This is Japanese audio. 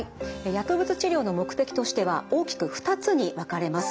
薬物治療の目的としては大きく２つに分かれます。